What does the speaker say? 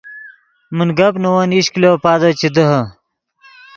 من گپ نے ون ایش کلو پادو چے دیہے